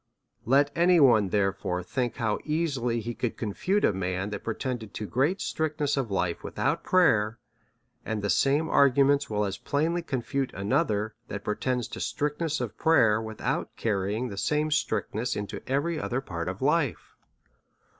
Let any one, therefore, think how easily he could confute a man that pretended to great strictness of life without prayer, and the same arguments will as plainly confute another that pretends to strictness of prayer, without carrying the same strictness into every other part of life.